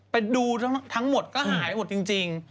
ไปดูทั้งหมดก็หายหมดจริง